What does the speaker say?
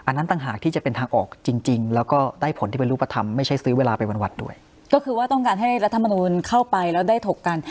ในชั้นสว่าไม่ใช่ซื้อเวลาไปวันวัดด้วยก็คือว่าต้องการให้รัฐมนุนเข้าไปแล้วได้ฐกกัน